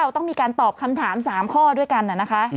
ต้องมีการตอบคำถาม๓ข้อด้วยกันนะคะ